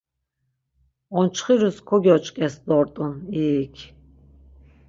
Onçxirus kogyoç̌ǩes dort̆un, iik.